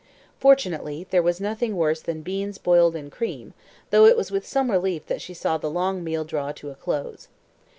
Fortunately, there was nothing worse than beans boiled in cream, though it was with some relief that she saw the long meal draw to a close.